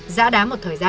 giã đá một thời gian